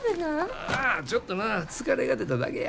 ああちょっとな疲れが出ただけや。